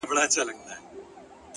هر سهار نوی امکان له ځان سره راوړي.!